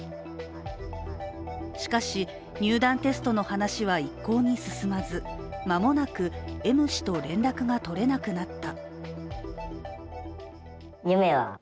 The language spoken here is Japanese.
しかし、入団テストの話は一向に進まず、間もなくＭ氏と連絡がとれなくなった。